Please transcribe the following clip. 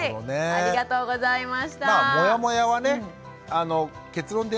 ありがとうございます！